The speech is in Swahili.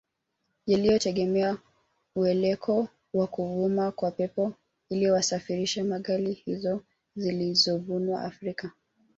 Yaliyotegemea uelekeo wa kuvuma kwa Upepo ili wasafirishe malighafi hizo zilizovunwa Afrika